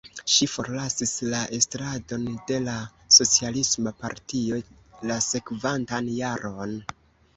Ŝi forlasis la estradon de la Socialisma Partio la sekvantan jaron.